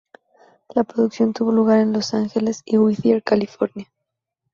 La producción tuvo lugar en Los Ángeles y Whittier, California.